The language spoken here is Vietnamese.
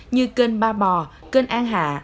như kênh ba bò kênh an hạ